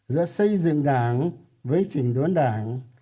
giữa xây dựng đảng với chỉnh đốn đảng